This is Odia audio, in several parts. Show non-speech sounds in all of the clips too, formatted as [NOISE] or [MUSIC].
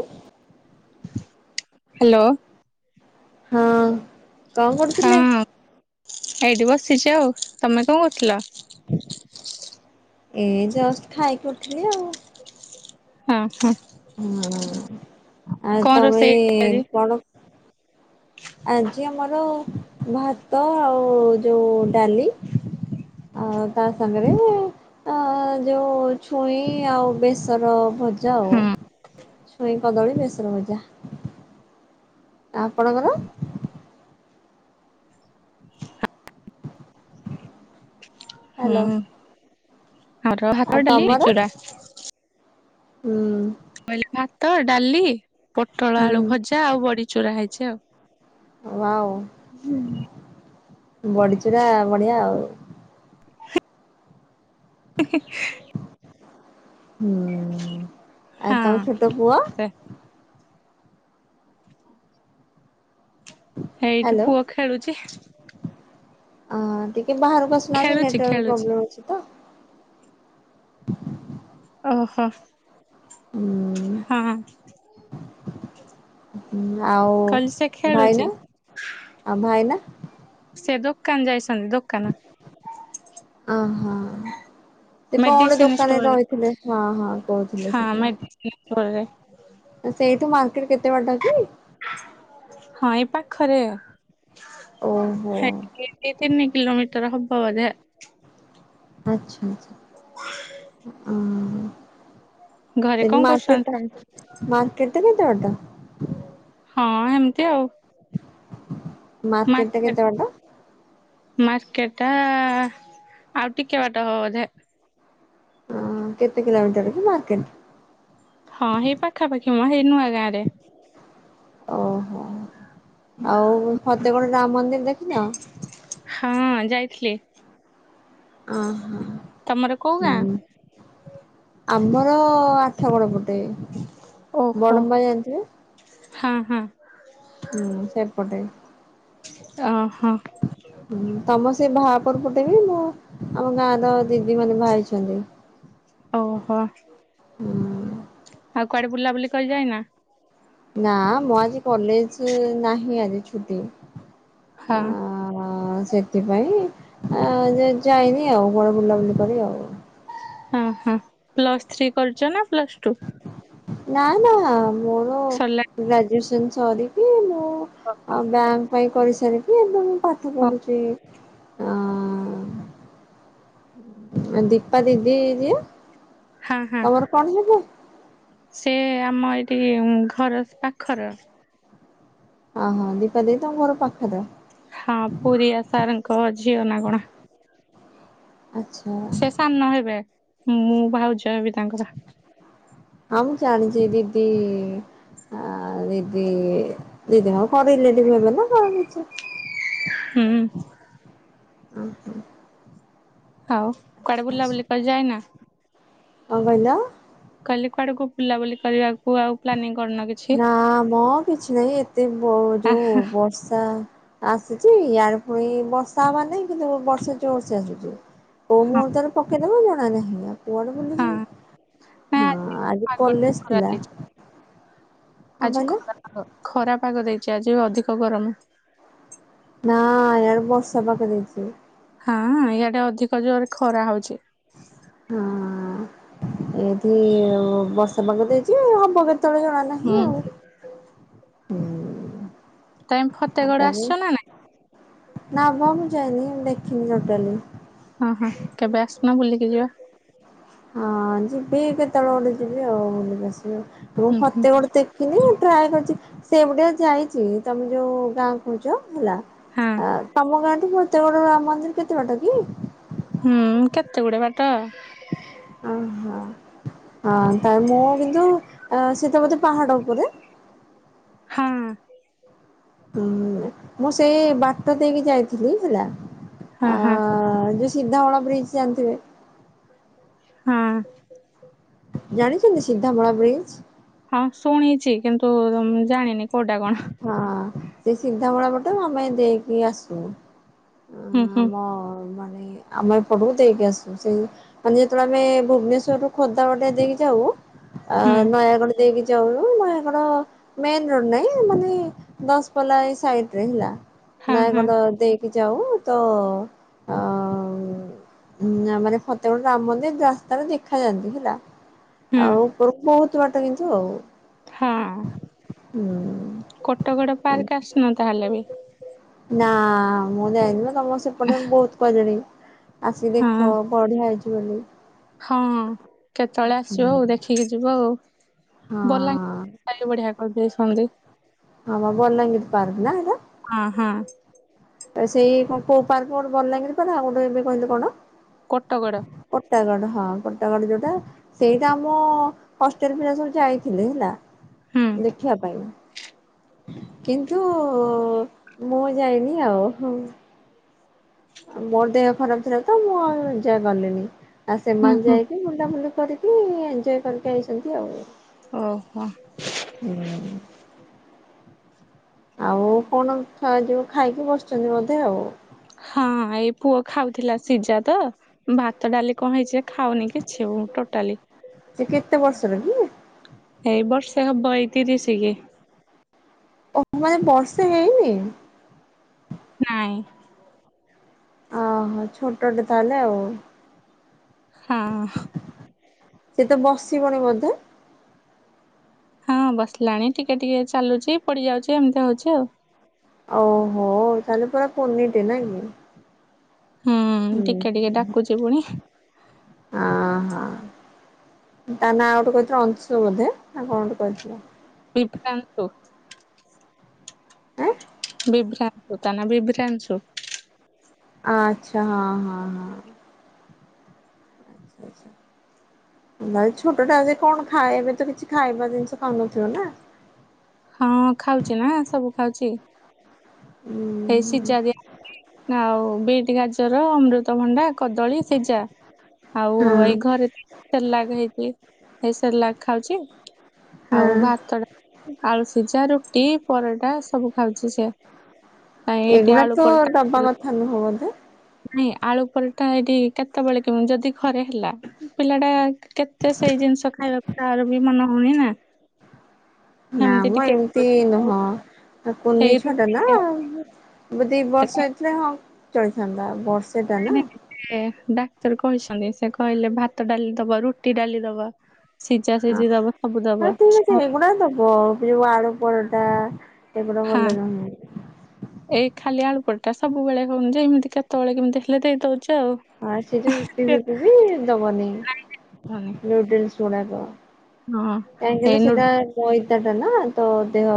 ହ ହ୍ୟାଲୋ। ହଁ କଣ ହଁ କରୁଥିଲେ? ଏଇଠି ବସିଛି ଆଉ। ତମେ କଣ କରୁଥିଲ? ଏ ଜଷ୍ଟ ଖାଇକି ଉଠିଲି ଆଉ। ହଁ ହଁ। ହଁ ଆଉ କଣ ତମେ ରୋଷେଇ କଣ ହଁ ଆଜି ଆମର ଭାତ ଆଉ ଯୋଉ ଡାଲି ଆ ତା ସାଙ୍ଗରେ ଆଁ ଯେଉଁ ଛୁଇଁ ଆଉ ବେସର ଭଜା ଆଉ ଛୁଇଁ କଦଳୀ ବେସର ଭଜା। ଆ ଆପଣଙ୍କର? ହୁଁ। ଆମର ଭାତ ଆ ଡାଲି ବଡ଼ି ତମର ଚୁରା ହୁଁ? କହିଲେ ଭାତ ଡାଲି ପୋଟଳ ଆଳୁ ହୁଁ ଭଜା ଆଉ ବଡି ଚୁରା ହେଇଛି ଆଉ। ହ ଆଉ ବଡିଚୂୁରା ବଢିଆ ଆଉ। ହି ହି। ହୁଁ ଆ ତମ ହଁ ଛୋଟ ପୁଅ? ଏଇଠି ହ୍ୟାଲୋ ପୁଅ ଖେଳୁଛି। ଅ ଟିକେ ବାହାରକୁ ଆସୁନାହାନ୍ତି ଖେଳୁଛି ନେଟୱାର୍କ ଖେଳୁଛି ପ୍ରୋବ୍ଲେମ୍ମ ଅଛି ତ। ଓହୋ ହୁଁ ହଁ। ଆଉ କହିଲି ସେ ଖେଳୁଛି ଭାଇନା ଆଉ ଭାଇନା? ସେ ଦୋକାନ ଯାଇଛନ୍ତି ଦୋକାନ। ଅ ହଁ। ସେ କଣ ଗେ ମେଡିସିନ ଦୋକାନରେ ଷ୍ଟୋରରେ ରହିଥିଲେ ହଁ ହଁ କହୁଥିଲେ ସେଦିନ। ଘରେ। ସେଇଠୁ ମାର୍କେଟ କେତେ ବାଟ କି? ହଁ ଏଇ ପାଖରେ। ଓହୋ ହେଟିକି ଏଠି ତିନି କିଲୋମିଟର ହବ ବୋଧେ। ଆଚ୍ଛା ଆଚ୍ଛା ଓ ଘରେ କଣ ତି ମାର୍କେଟା କରୁଛନ୍ତି? ମାର୍କେଟା କେତେ ବାଟ। ହଁ ହେମିତି ଆଉ। ଟା ମାର୍କେଟ କେତେ ବାଟ? ମାର୍କେଟା ଆଉ ଟିକେ ବାଟ ହବ ବୋଧେ। ହଁ କେତେ କିଲୋମିଟରକି ମାର୍କେଟ? ହଁ ହେଇ ପାଖାପାଖି ମ ହେଇ ନୂଆ ଗାଁ ରେ। ଓହୋ ଆଉ ଫତେଗଡ ରାମ ମନ୍ଦିର ଦେଖିନ? ହଁ ଯାଇଥିଲେ। ଅହ ତମର କୋଉ ଗାଁ? ହୁଁ ଆମର ଆ ଆଠଗଡ ପଟେ ଓହୋ ବଡମ୍ବା ଜାଣିଥିବେ? ହଁ ହଁ। ହୁଁ ସେପଟେ। ଅ ହଁ। ହୁଁ ତମ ସେ ଭାହାପର ପଟେ ବି ମୁଁ ଆମ ଗାଁ ର ଦିଦି ମାନେ ବାହା ହେଇଛନ୍ତି। ଓହୋ। ହୁଁ ଆଉ କୁଆଡ଼େ ବୁଲାବୁଲି କରି ଯାଇନା। ନା ମୁଁ ଆଜି କଲେଜ ନାହିଁ ଆଜି ଛୁଟି। ହଁ। ହଁ ସେଥିପାଇଁ ଯେ ଯାଇନି ଆଉ ବଡ଼ ବୁଲାବୁଲି କରି ଆଉ। ହଁ ହଁ ପ୍ଲସ୍ ଥ୍ରୀ କରଛ ନା ପ୍ଲସ୍ ଟୁ। ନା ନା ମୋର ସରିଲା ଗ୍ରାଜୁଏସନ ସରିକି ମୁଁ ଓ ଆ ବ୍ୟାଙ୍କ ପାଇଁ କରି ସାରିକି ଏବେ ମୁଁ ପାଠ ପଢୁଛି। ଅ ଉ ଦୀପା ଦିଦି ଯିଏ ହଁ ହଁ ତମର କଣ ହେବେ? ସେ ଆମ ଏଠି ଘର ପାଖର ଓହୋ ଦୀପା ଦିଦି ତମ ଘର ପାଖରେ। ହଁ ପୁରୀଆ ସାରଙ୍କ ଝିଅ ନା କଣ। ଆଚ୍ଛା। ସେ ସାନ ହେବେ ମୁଁ ଭାଉଜ ହେବି ତାଙ୍କର। ହଁ ମୁଁ ଜାଣିଛି ଦିଦି ଆ ଦିଦି ଦିଦିଙ୍କ କଣ ରିଲେଟିଭ ହେବେ ନା କଣ କିଛି ହୁଁ। ଉଁହ। ଆଉ କୁଆଡେ ବୁଲା ଆଚ୍ଛା ବୁଲି କରି ଯାଇନା? କଣ କହିଲ? କାଲି କୁଆଡକୁ ବୁଲାବୁଲି କରିବାକୁ ଆଉ ପ୍ଲାନିଂ କରିନ କିଛି? ନା ମ କିଛି ନାହିଁ ଏତେ ବ ଆ ଯୋଉ ହଁ ବର୍ଷା ଆସୁଛି ୟାଡେ ପୁଣି ବର୍ଷା ହବାର ନାହିଁ କିନ୍ତୁ ବର୍ଷା ଜୋରସେ ଆସୁଛି। କୋଉ ମୁହୁର୍ତ୍ତରେ ପକେଇଦବ ଜଣା ନାହିଁ ଆଉ। କୁଆଡେ ବୁଲି ହଁ ନା ଯିବି ହଁ ଆଜି ପାଗ କଲେଜ ଖରା ଥିଲା। ଦେଇଛି କଣ ଆଜି କହିଲ ଖରାପାଗ ଖରା ପାଗ ଦେଇଛି ଆଜି ଅଧିକ ଗରମ। ନା ୟାଡେ ବର୍ଷା ପାଗ ଦେଇଚି। ହଁ ୟାଡେ ଅଧିକ ଜୋର ଖରା ହଉଛି। ହୁଁ। ଏଠି ବର୍ଷା ପାଗ ଦେଇଛି ହବ କେତେବେଳେ ଜଣା ନାହିଁ। ନାହିଁ ହୁଁ ଆଉ ହୁଁ। ତମେ ଫତେଗଡ ଆସଛ ନା ନାଇଁ। ନା ମ ମୁଁ ଯାଇନି ଦେଖିନି ଟୋଟାଲି। ଅ ହଁ କେବେ ଆସୁନ ବୁଲିକି ଯିବା। ହଁ ଯିବି କେତେବେଳେ ଗୋଟେ ଯିବି ଆଉ ବୁଲ ଆସିବି ଆ ମୁଁ ହୁଁ ହୁଁ ଫତେଗଡ ତେ ଦେଖିନି ଟ୍ରାଏ କରିଛି ସେ ପଟେ ଯାଇଛି ତମେ ଯୋଉ ଗାଁ କହୁଛ ହେଲା। ହଁ। ତମ ଗାଁଠୁ ଫତେଗଡ଼ ରାମ ମନ୍ଦିର କେତେ ବାଟ କି। ହୁଁ କେତେ ଗୁଡଏ ବାଟ। ଅହୋ ହ ତା ମୁଁ କିନ୍ତୁ ଅ ସେତ ବୋଧେ ପାହାଡ ଉପରେ। ହୁଁ। ହୁଁ ମୁଁ ସେଇ ବାଟ ଦେଇକି ଯାଇଥିଲି ହେଲା। ହଁ ହଁ ଆ ସିଧାମଳ ବ୍ରିଜ୍ ଜାଣିଥିବେ? ହଁଅ। ଜାଣିଚନ୍ତି ସିଧାମଳା ବ୍ରିଜ? ହଁ ଶୁଣିଚି କିନ୍ତୁ ଜାଣିନି କୋଉଟା କଣ। ହଁ ସେ ସିଧାମଳା ପଟେ ଆମେ ଦେଇକି ଆସୁ। ହୁଁ ହୁଁ। ହଁ ମାନେ ଆମେ ଏପଟକୁ ଦେଇକି ଆସୁ। ସେଇ ହଁ ଯେତେବେଳେ ଆମେ ଭୁବନେଶ୍ଵରରୁ ଖୋର୍ଦ୍ଧା ବାଟେ ଦେଇକି ଯାଉ ଆ ହୁଁ। ନୟାଗଡ ଦେଇକି ଯାଉ ନୟାଗଡ ମେନ ରୋଡ ନାଁଇ ମାନେ ଦଶପଲ୍ଲା ଏଇ ସାଇଟରେ ହେଲା। ହଁ ହଁ ନୟାଗଡ ଦେ ଇକି ଯାଉ ତ ମାନେ ଫତେଗଡ ରାମ ମନ୍ଦିର ରାସ୍ତାରେ ଦେଖାଯାଆନ୍ତି ହେଲା। ହୁଁ ଆଉ ଉପର ବୋହୁତ ବାଟ କିନ୍ତୁ ଆଉ। ହୁଁ ହୁଁ। କୋଟଗଡ ପାର୍କ ଆସିନ ତାହେଲେ ବି? ନାଁ ମୁଁ ଯାାଇନି ତ ତମ ସେପଟେ ବୋହୁତ କହିଲେଣି। ଆସିକି ହଁ। ଦେଖ ବଢିଆ ହେଇଚି ବୋଲି। ହଁ କେତେବେଳେ ଆସିବ ହୁଁ। ଆଉ ଦେଖିକି ଯିବ ଆଉ ବଲା ହଁ [UNINTELLIGIBLE] ବଢିଆ କରିଦେଇଚନ୍ତି। ହଁ ବା ବଲାଙ୍ଗିର ପାର୍କ ନା ଏଇଟା? ହୁଁ ହୁଁ। ତ ସେଇ କୋଉ ପାର୍କ ଗୋଟେ ବଲାଙ୍ଗିର କହିଲ ଆଉ ଗୋଟେ ଏବେ କହିଲ କଣ? କୋଟଗଡ। କୋଟାଗଡ ହଁ କୋଟାଗଡ ଯୋଉଟା ସେଇଟା ଆମ ହଷ୍ଟେଲ ପିଲା ସବୁ ଯାଇଥିଲେ ହେଲା। ହୁଁ ଦେଖିବା ପାଇଁ। କିନ୍ତୁ ମୁଁ ଯାଇନି ଆଉ ହୁଁ। ମୋର ଦେହ ଖରାପ ଥିଲା ତ ମୁଁ ଆଉ ଯା ଗଲିନି। ଆଉ ହୁଁ ସେମାନେ ହୁଁ ଯାଇକି ବୁଲାବୁଲି କରି କି ଏଞ୍ଜୟ କରିକି ଆଇଚନ୍ତି ଆଉ। ଓହୋ। ହୁଁ। ଆଉ କଣ ଖିଆ ଯିବ ଖାଇକି ବସିଚନ୍ତି ବୋଧେ ଆଉ। ହଁ ଏଇ ପୁଅ ଖାଉଥିଲା ସିଜା ତ। ଭାତ, ଡାଲି କଣ ହେଇଚି ଯେ ଖାଉନି ଆଉ କିଛି ଟୋଟାଲି। ସେ କେତେ ବର୍ଷର କି? ଏଇ ବର୍ଷେ ହବ ଏଇ ତିରିଶ କି। ଓ ମାନେ ବର୍ଷା ହେଇନି? ନାଇଁ। ଓହୋ ଛୋଟଟେ ତାହେଲେ ଆଉ। ହୁଁ। [UNINTELLIGIBLE] ସେ ତ ବସିବଣି ବୋଧେ? ହଁ ବସିଲାଣି ଟିକେ ଟିକେ ଚାଲୁଚି ପଡିଯାଉଚି ଏମିତି ହୋଉଚି ଆଉ। ଓହୋ ତାହେଲେ ପରା କୁନିଟେ ନାଁ କିି। ହୁଁ ଉଁ ଟିକେ ଟିକେ ହୁଁ ଡାକୁଛି ପୁଣି ଅଂ ହଁ। ତା ନାଁ ଗୋଟେ କହିଥିଲ ଅଂଶୁ ବୋଧେ ନା କଣ ଗୋଟେ କହିଥିଲେ। ବିଭ୍ରାନଶୁ। ଆଁ ବିଭ୍ରାନଶୁ ତାନା ବିଭ୍ରାନଶୁ। ଆଚ୍ଛା, ହଁ, ହଁ, ହଁ। ଆଛା। ଭାଇ ଛୋଟଟା ଯେ କଣ ଖାଏ, ଏବେ ତ କିଛି ଖାଇବା ଜିନିଷ ଖାଉନଥିବ ନା? ହଁ, ଖାଉଛି ନା ସବୁ ଖାଉଛି। ଉଁ ଏଇ ହୁଁ ସିଝା ଦିଆ ହଉଚି, ଆଉ ବିଟ୍, ଗାଜର ଅମୃତ ଭଣ୍ଡା। କଦଳୀ ସିଜା ଆଉ ଏଇ ହଁ ଘରେ ସେରେଲାକ ହେଇଚି, ହେଇ ସେରେଲାକ ଖାଉଛି, ଆଉ ହଁ ଭାତ ଟା ଆଳୁ ସିଝା, ରୁଟି, ପରଟା ସବୁ ଖାଉଛି ସେ। ଏଇଠି ଏଗୁଡା ଆଳୁ ତ ପରଟା କରିଥିଲେ ଦବା କଥା ନୁହଁ ବୋଧେ? ନାଇଁ ଆଳୁ ପରଟା ଏଟି କେତେବେଳେ କେମତି ଯଦି ଘରେ ହେଲା ପିଲା ଟା କେତେ ସେଇ ଜିନିଷ ଖାଇବାକୁ ତାର ବି ମନ ହଉନି ନା ହେମତି ଟିକେ ତି ନୁହଁ କୁନି ହେଇ ଛୁଆ ଟା ରୁଟି ନା ଦି ବର୍ଷ ହେଇଥିଲେ ହଁ ଚଳିଥାନ୍ତା, ବର୍ଷେ ଟା ନା ଏ ଡାକ୍ତର କହିଛନ୍ତି, ସେ କହିଲେ ଭାତ, ଡାଲି ଦବ, ରୁଟି ଡାଲି ଦବ। ସିଜା ସିଯି ଦବ ସବୁ ଦବ। ସେଗୁଡା ଦବ, ସେ ଯୋଉ ଆଳୁ ପରଟା ସେଗୁଡା ହଁ ଭଲ ନୁହେଁ। ଏଇ ଖାଲି ଆଳୁ ପରଟା ସବୁବେଳେ ହଉନି ଯେ ଏମିତି କେତେବେଳେ କେମିତି ହେଲେ ଦେଇ ଦଉଛି ଆଉ। ଆଁ ସେଯୋଉ ଇପି ଫିପି ବି ଦବନେଇ ହଉନି। ନୁଡୁୁଲସ ଗୁଡାକ। ହଁ। କାହିଁକି ନା ହେଇ ନୁ ସେଟା ମଇତାଟା ନା ତ ଦେହ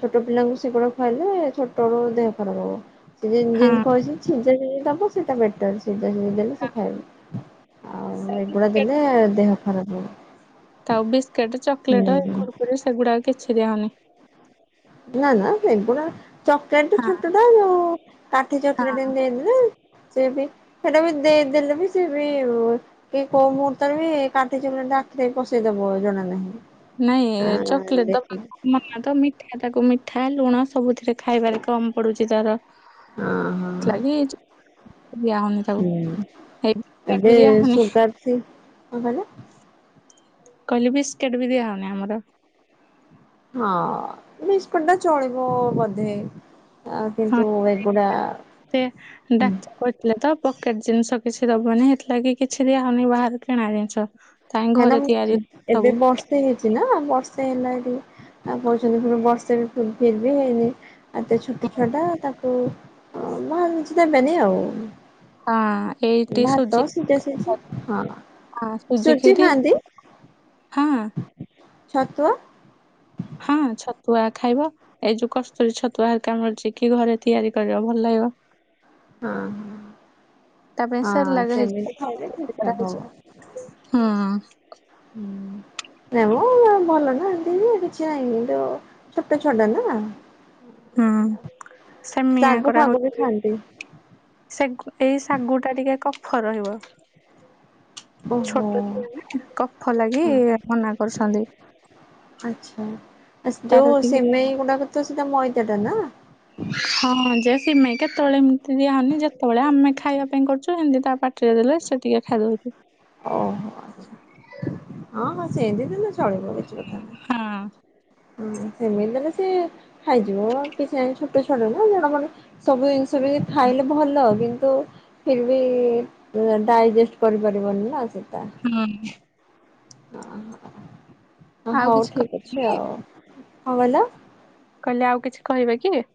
ଛୋଟ ପିଲାଙ୍କୁ ସେଗୁଡା ଖୁଆଲେ ଛୋଟ ରୁ ଦେହ ଖରାପ ହବ। ସେ ଜେନ୍ ହଁ ଯେନ୍ କହିଚନ୍ତି ସିଝା ଶିଯି ଦବ ସେଇଟା ବେଟର ସିଝା ସିଝି ଦେଲେ ସେ ଖାଇବ। ଆଉ ଏଗୁଡା ଦେଲେ ଦେହ ଖରାପ ହବ। ତାକୁ ବିସ୍କିଟ ଚକଲେଟ ହୁଁ। କୁରୁ କୁରୀ ସେଗୁଡାକ କିଛି ଦିଆ ହୋଉନି। ନା ନା ସେଗୁଡା ଚକଲେଟ ହଁ ଛୋଟଟା ଯୋଉ କାଠି ହଁ ଚକଲେଟ ଏନ୍ ଦେଇଦେଲେ ସେ ବି ସେଟା ବି ଦେଇ ଦେଲେ ବି ସେବି କି କୋଉ ମୁହୂର୍ତ୍ତରେ ବି କାଠି ଚକଲେଟଟା ଆଖିରେ ବି ପସେଇଦବ ଜଣା ନାହିଁ। ନାଇଁ ଆଁ ଚକଲେଟ ଦବା ଦେଖି [UNINTELLIGIBLE] ନା ତ ମିଠା ତାକୁ ମିଠା ଲୁଣ ସବୁଥିରେ ଖାଇବାରେ କମ ପଡୁଚି ତାର। ହଁ ହଁ ଲାଗିଛ ଦିଆ ହୋଉନି ହୁଁ ତାକୁ [UNINTELLIGIBLE] ଦିଆ ହଉନି। କଁ କହିଲେ? କହିଲି ବିସ୍କଟ ବି ଦିଆ ହଉନି ଆମର। ହଁ ବିସ୍କୁଟ୍ ଟା ଚଳିିବ ବୋଧେ। ଆ ହଁ କିନ୍ତୁ ଏଗୁଡା, ସେ ଉଁ। ଡାକ୍ତର କହିଥିଲେ ତ ପକେଟ ଜିନିଷ କିଛି ଦବନି ହେଥିଲାଗି କିଛି ଦିଆହଉନି ବାହାରୁ କିଣା ଜିନିଷ। ତାଇଁ ହେନା ଘରେ ମୁ ତିଆରି ସବୁ ଏବେ ବ ବର୍ଷେ ହେଇଛି ନା ବର୍ଷେ ହେଲା ଏଠି ଆ କହୁଛନ୍ତି ପୁଣି ବର୍ଷେ ବି ଫିର୍ ବି ହେଇନି। ଆ ଏତେ ଛୋଟ ଛୁଆଟା ତାକୁ ବାହାରୁ କିଛି ଦେବେନି ଆଉ। ହଁ ଏଇଟି ଭାତ ସୁଜି ସିଝା ସିଝି ହଁ ହଁ ସୁଜି ଖିରି, ହଁ। ଛତୁଆ। ହୁଁ ଛତୁଆ ଖାଇବ। ଏଇ ଯୋଉ କସ୍ତୁରୀ ଛତୁଆ ହେରିକା ମିଳୁଛି କି ଘରେ ତିଆରି କରିବ ଭଲ ଲାଗିବ। ହଁ ହଁ ସେମିତି ଖାଇଲେ ଠିକ୍ ଠାକ୍ ହବ। [UNINTELLIGIBLE] ହୁଁ। ହୁଁ। ନାଇ ମୁ ଭଲ ନାହାନ୍ତି କିଛି ନାହିଁ କିନ୍ତୁ ଛୋଟା ଛୁଆଟା ନା ହୁଁ ସେମିଆ ଶାଗୁ କରା ଫାଗୁ ବି ହଉଥିବେ। ଖାଆନ୍ତି ସେ ଗୁଟେ ଶାଗୁ ଟା ଟିକେ କଫ ରହିବ। ଓହୋ ଛୋଟ ଛୁଆ ନା କଫ ଲାଗି ହଁ। ମନା କରୁଛନ୍ତି। ଆଚ୍ଛା ଆ ସ ତାର ଯୋଉ ଟିକେ ସୀମେଇ ଗୁଡ଼ାକ ତ ସେଟା ମଇଦାଟା ନା? ହଁ ଯେ ସିମେଇଁ କେତେବେଳେ ଏମିତି ଦିଆହଉନି ଯେତେବେଳେ ଆମେ ଖାଇବା ପାଇଁ କରୁଛୁ ଏମିତି ତା ପା ଟି ରେ ଦେଲେ ସେ ଟିକେ ଖାଇଦଉଛି। ଓହୋ ଆ୍ଛା ହଁ ହଁ ସେମତି ଦେଲେ ଚଳିବ କିଛି କଥା ନାହିଁ। ହଁ। ହୁଁ ସେମିତି ହେଲେ ସିଏ ଖାଇଯିବ କିଛି ନାଇଁ ଛୋଟ ଛୁଆଟା ନା ଜଣ ମ ସବୁ ଜିନିଷ ବି ଖାଇଲେ ଭଲ କିନ୍ତୁ ଫିର୍ ବି ଡାଇଜେଷ୍ଟ କରିପାରିବନି ନା ସେଇଟା। ହୁଁ। ହହ ହଁ ଆଉ ହଉ କିଛି ଠିକ୍ ଅଛି ଆଉ କଣ କହିଲ? କହିଲି ଆଉ କିଛି କହିବେ କି?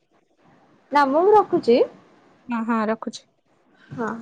ନ ମୁଁ ରଖୁଛି? ହଁ ହଁ ରଖୁଛି। ହଁ।